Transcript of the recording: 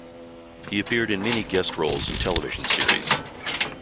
He appeared in many guest roles in television series.